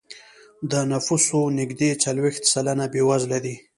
د نفوسو نږدې څلوېښت سلنه بېوزله دی.